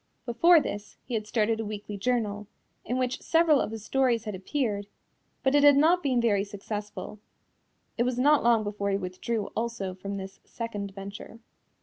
Before this, he had started a weekly journal, in which several of his stories had appeared, but it had not been very successful. It was not long before he withdrew also from this second venture.